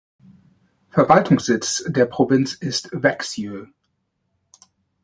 Verwaltungssitz der Provinz ist Växjö.